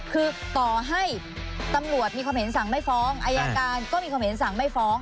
คือต่อให้ตำรวจมีความเห็นสั่งไม่ฟ้องอายการก็มีความเห็นสั่งไม่ฟ้อง